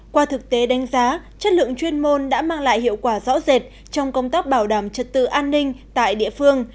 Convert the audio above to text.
qua thực tế đánh giá chất lượng chuyên môn đã mang lại hiệu quả rõ rệt trong công tác bảo đảm trật tự an ninh tại địa phương